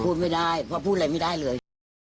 พูดไม่ได้เพราะพูดอะไรไม่ได้เลย